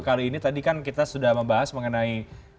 kali ini tadi kan kita sudah membahas mengenai